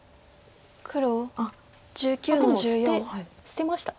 でも捨てました。